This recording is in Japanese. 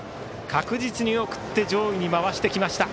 確実に送って上位に回してきました。